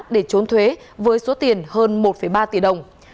để trốn thuế với số tiền hơn một ba tỷ đồng